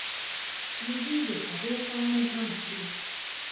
وزې د سبو پاڼې هم خوري